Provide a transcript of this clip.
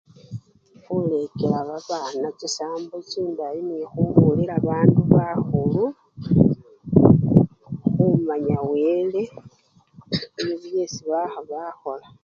Khulekela babana chisambo chindayi nekhubolela bandu bakhulu khumanya wele nibyo byesi bakha bakhola.